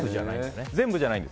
全部じゃないです。